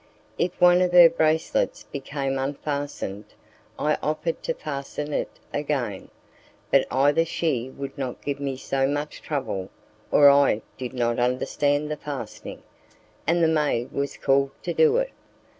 If one of her bracelets became unfastened, I offered to fasten it again, but either she would not give me so much trouble, or I did not understand the fastening, and the maid was called to do it.